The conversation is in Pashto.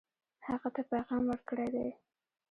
هغه ته پیغام ورکړی دی.